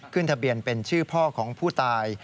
ทะเบียนเป็นชื่อพ่อของผู้ตาย